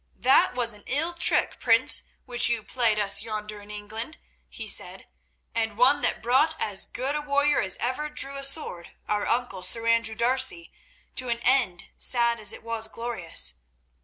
"That was an ill trick, Prince, which you played us yonder in England," he said, "and one that brought as good a warrior as ever drew a sword—our uncle Sir Andrew D'Arcy—to an end sad as it was glorious.